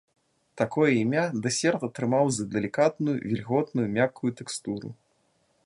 Такое імя дэсерт атрымаў за далікатную, вільготную і мяккую тэкстуру.